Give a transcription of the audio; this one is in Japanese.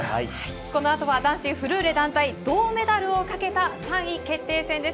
この後男子フルーレ団体銅メダルをかけた３位決定戦です。